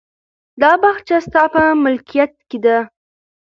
دا باغچه ستا په ملکیت کې ده.